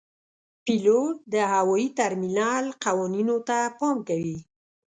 پیلوټ د هوايي ترمینل قوانینو ته پام کوي.